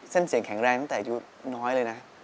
เส้นเสียงแข็งแรงตั้งแต่อายุน้อยเลยนะ